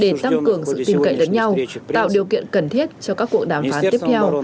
để tăng cường sự tin cậy lẫn nhau tạo điều kiện cần thiết cho các cuộc đàm phán tiếp theo